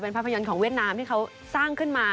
ภาพยนตร์ของเวียดนามที่เขาสร้างขึ้นมา